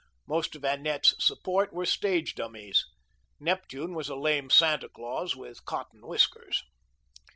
Most of Annette's support were stage dummies. Neptune was a lame Santa Claus with cotton whiskers.